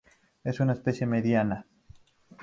Es una especie mediana.